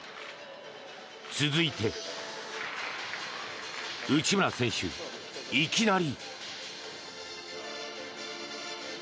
続いて内村選手、いきなり。